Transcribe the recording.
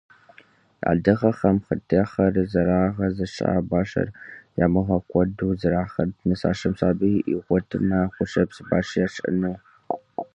Адыгэхэм хъытехыр зэрагъэзэщӏа башыр ямыгъэкӀуэду зэрахьэрт, нысащӀэм сабий игъуэтмэ, гущэпс баш ящӀыну.